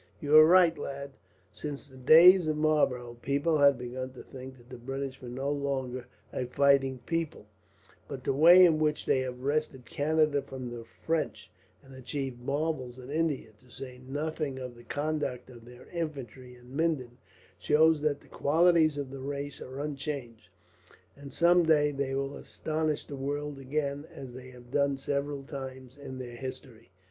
"You are right, lad. Since the days of Marlborough, people have begun to think that the British were no longer a fighting people; but the way in which they have wrested Canada from the French, and achieved marvels in India, to say nothing of the conduct of their infantry at Minden, shows that the qualities of the race are unchanged; and some day they will astonish the world again, as they have done several times in their history."